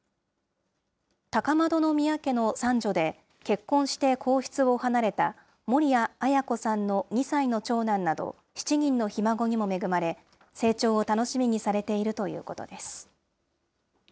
高円宮家の三女で、結婚して皇室を離れた、守谷絢子さんの２歳の長男など、７人のひ孫にも恵まれ、成長を楽しみにされているということです。